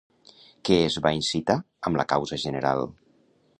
Què es va incitar amb la Causa General?